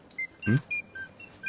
うん？